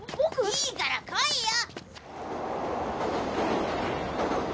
いいから来いよ！